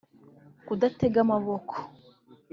kudatega amaboko